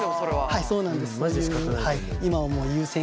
はいそうなんです。